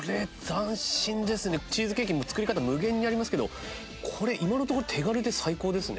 チーズケーキも作り方無限にありますけどこれ今のところ手軽で最高ですね。